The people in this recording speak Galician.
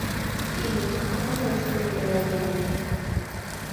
Iria, como se desenvolveu aí a mañá?